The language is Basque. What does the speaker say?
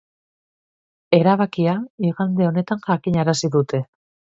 Erabakia igande honetan jakinarazi dute.